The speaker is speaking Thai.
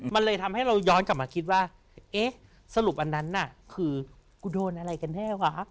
มันเลยทำให้เราย้อนกลับมาคิดว่าเอ๊ะสรุปอันนั้นน่ะคือกูโดนอะไรกันแน่วะ